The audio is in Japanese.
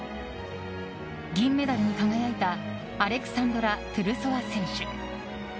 銀メダルに輝いたアレクサンドラ・トゥルソワ選手。